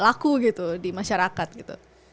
laku gitu di masyarakat gitu